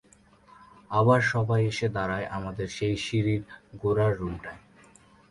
আবার সবাই এসে দাঁড়ায় আমাদের সেই সিঁড়ির গোড়ার রুমটায়।